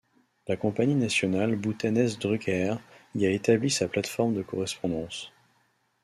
La compagnie nationale bhoutanaise Druk Air y a établi sa plate-forme de correspondance.